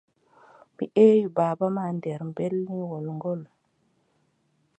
Mi eewi baaba ma nder berniwol ngool.